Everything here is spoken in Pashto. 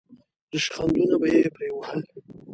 ریشخندونه به یې پرې وهل.